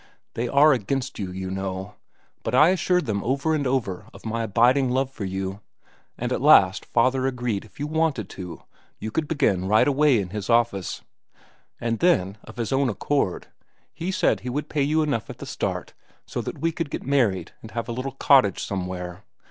They are against you, you know; but I assured them over and over of my abiding love for you, and at last father agreed that if you wanted to, you could begin right away in his office. And then, of his own accord, he said he would pay you enough at the start so that we could get married and have a little cottage somewhere.